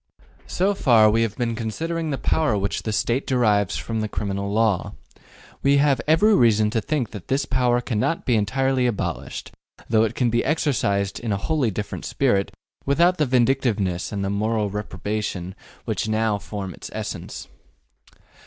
So far we have been considering the power which the State derives from the criminal law. We have every reason to think that this power cannot be entirely abolished, though it can be exercised in a wholly different spirit, without the vindictiveness and the moral reprobation which now form its essence.